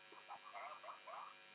pasal yang disebut ini